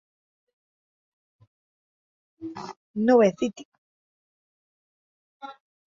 Tube City!